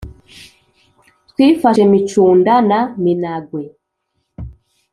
twifashe micunda na minagwe